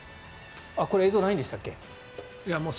これ、映像ないんでしたっけ。